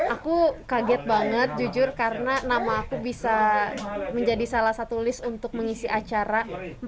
aku kaget banget jujur karena nama aku bisa menjadi salah satu list untuk mengisi acara